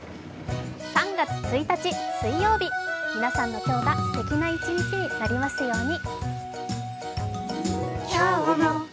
３月１日水曜日、皆さんの今日がすてきな一日になりますように。